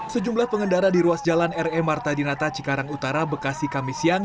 sejumlah pengendara di ruas jalan re marta dinata cikarang utara bekasi kami siang